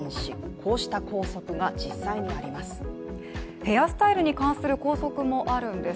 こうした校則が実際にあります。